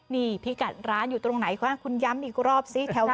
นี่พี่กัดร้านอยู่ตรงไหนคะคุณย้ำอีกรอบซิแถว